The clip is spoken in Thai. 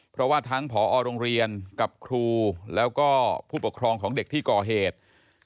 เพราะว่าทั้งผอโรงเรียนกับครูแล้วก็ผู้ปกครองของเด็กที่ก่อเหตุ